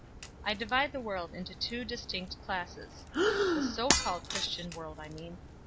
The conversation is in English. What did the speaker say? I divide the world into two distinct classes the so called Christian world, I mean.